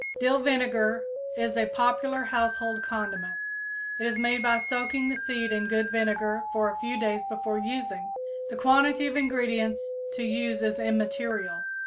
Dill vinegar is a popular household condiment. It is made by soaking the seed in good vinegar for a few days before using. The quantity of ingredients to use is immaterial.